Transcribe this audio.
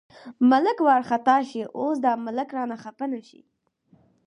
ملک وارخطا شي، اوس دا ملک رانه خپه نه شي.